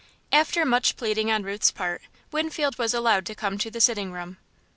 After much pleading on Ruth's part, Winfield was allowed to come to the sitting room.